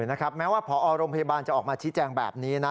แม้ว่าพอโรงพยาบาลจะออกมาชี้แจงแบบนี้นะ